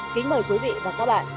kính mời quý vị và các bạn